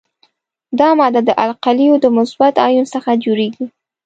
دا ماده د القلیو د مثبت آیون څخه جوړیږي.